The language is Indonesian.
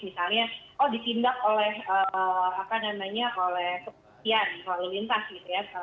misalnya oh ditindak oleh apa namanya oleh kepolisian lalu lintas gitu ya